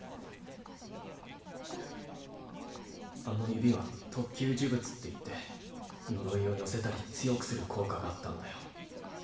あの指は特級呪物っていって呪いを寄せたり強くする効果があったんだよ。